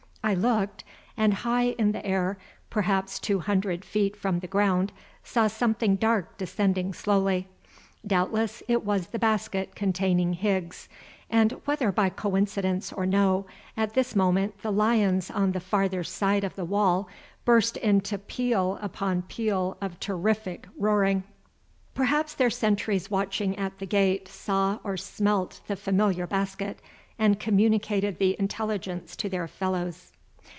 I looked, and high in the air, perhaps two hundred feet from the ground, saw something dark descending slowly. Doubtless it was the basket containing Higgs, and whether by coincidence or no, at this moment the lions on the farther side of the wall burst into peal upon peal of terrific roaring. Perhaps their sentries watching at the gate saw or smelt the familiar basket, and communicated the intelligence to their fellows.